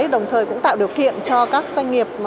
đồng thời cũng tạo điều kiện cho các doanh nghiệp